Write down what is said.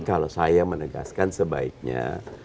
kalau saya menegaskan sebaiknya